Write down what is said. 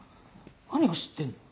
何を知ってんの？」。